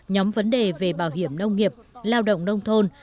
nhóm vấn đề về bảo hiểm nông nghiệp lao động nông thôn